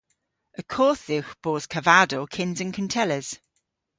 Y kodh dhywgh bos kavadow kyns an kuntelles.